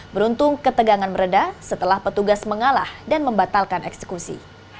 beruntung ketegangan meredah setelah petugas mengalah dan membatalkan eksekusi